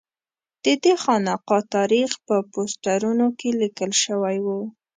ددې خانقا تاریخ په پوسټرونو کې لیکل شوی و.